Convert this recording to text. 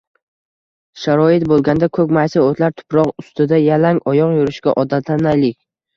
Sharoit bo‘lganda ko‘k maysa o‘tlar, tuproq ustida yalang oyoq yurishga odatlanaylik.